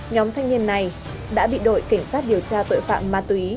nhóm thanh niên này đã bị đội cảnh sát điều tra tội phạm ma túy